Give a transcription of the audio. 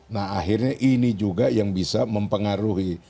nah akhirnya ini juga yang bisa mempengaruhi